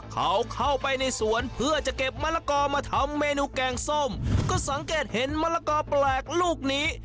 เขาเข้าไปในสวนเพื่อจะเก็บมะละกอมาทำเมนูแกงส้มก็สังเกตเห็นมะละกอแปลกลูกนี้